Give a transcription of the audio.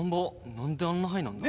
何であんなハイなんだ？